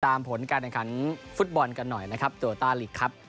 ผลการแข่งขันฟุตบอลกันหน่อยนะครับโตต้าลีกครับ